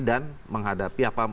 dan menghadapi apa